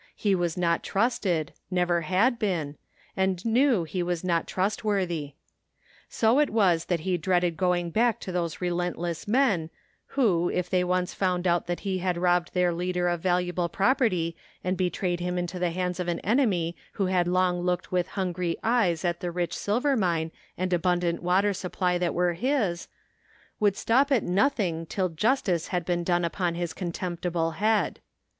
He was not trusted — ^never had been — ^and knew he was not trustworthy. So it was that he dreaded going back to those relentless men, who, if they once found out that he had robbed their leader of valuable property and betrayed him into the hands of an enemy who had long looked with hungry eyes at the rich silver mine and abundant water supply that were his, would stop at nothing till justice had been done upon his con temptible head.